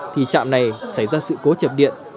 thì trạm này xảy ra sự cố chập điện